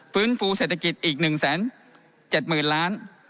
ฟื้นฟูเศรษฐกิจอีก๑๗๐๐๐ล้าน